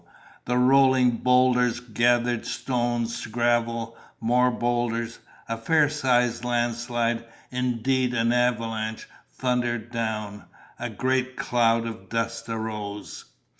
The rolling boulders gathered stones, gravel, more boulders. A fair sized landslide, indeed an avalanche, thundered down. A great cloud of dust arose.